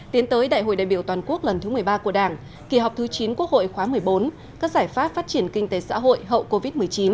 tiến tới đại hội đại biểu toàn quốc lần thứ một mươi ba của đảng kỳ họp thứ chín quốc hội khóa một mươi bốn các giải pháp phát triển kinh tế xã hội hậu covid một mươi chín